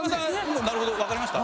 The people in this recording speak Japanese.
今なるほどわかりました？